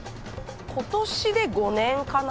今年で５年かな？